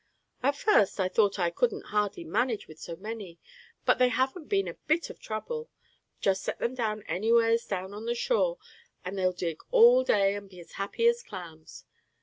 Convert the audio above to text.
At first, I thought I couldn't hardly manage with so many, but they haven't been a bit of trouble. Just set them anywheres down on the shore, and they'll dig all day and be as happy as clams.